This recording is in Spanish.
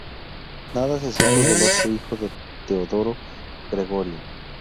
Nada se supo del otro hijo de Teodoro, Gregorio.